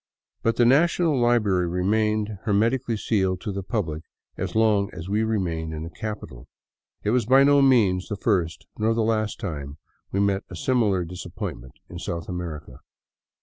But the National Library remained her metically sealed to the public as long as we remained in the capital. It was by no means the first nor the last time we met a similar disap pointment in South America.